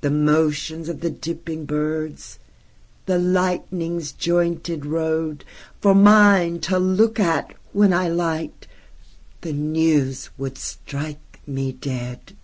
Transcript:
The motions of the dipping birds, The lightning's jointed road, For mine to look at when I liked,—The news would strike me dead!